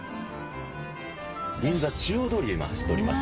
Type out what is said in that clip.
銀座中央通りを走っております。